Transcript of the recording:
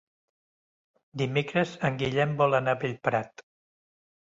Dimecres en Guillem vol anar a Bellprat.